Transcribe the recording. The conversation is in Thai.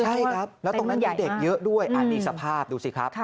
ใช่ครับแล้วตรงนั้นมีเด็กเยอะด้วยอันนี้สภาพดูสิครับ